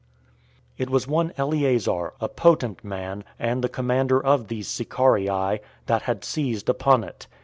It was one Eleazar, a potent man, and the commander of these Sicarii, that had seized upon it.